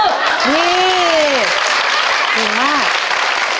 นี่เก่งมาก